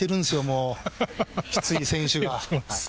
もうきつい選手が。